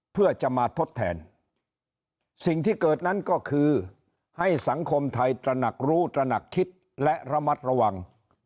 เพื่อจะมาทดแทนสิ่งที่เกิดนั้นก็คือให้สังคมไทยตระหนักรู้ตระหนักคิดและระมัดระวัง